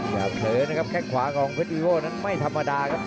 เผลอนะครับแค่งขวาของเพชรวิโว่นั้นไม่ธรรมดาครับ